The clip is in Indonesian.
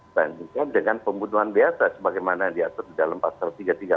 dan juga dengan pembunuhan biasa sebagaimana yang diatur dalam pasal tiga ratus tiga puluh delapan